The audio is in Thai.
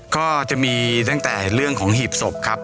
ก็จะมีตั้งแต่เรื่องของหีบศพครับ